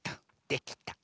できた。